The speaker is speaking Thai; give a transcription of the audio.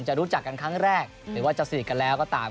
รู้จักกันครั้งแรกหรือว่าจะสนิทกันแล้วก็ตาม